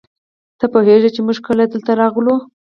ته پوهېږې موږ چې کله دلته راغلو.